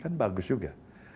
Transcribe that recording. kan bagus juga